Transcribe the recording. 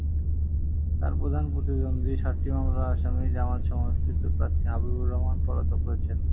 তাঁর প্রধান প্রতিদ্বন্দ্বী সাতটি মামলার আসামি জামায়াত-সমর্থিত প্রার্থী হাবিবুর রহমান পলাতক রয়েছেন।